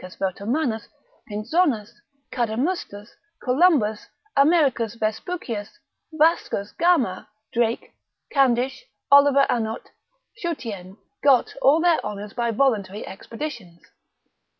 Vertomannus, Pinzonus, Cadamustus, Columbus, Americus Vespucius, Vascus Gama, Drake, Candish, Oliver Anort, Schoutien, got, all their honour by voluntary expeditions.